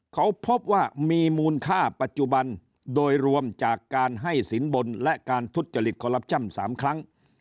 เขาพบว่ามีมูลค่าปัจจุบันโดยรวมจากการให้สินบนและการทุจริตคอลลับชั่น๓ครั้ง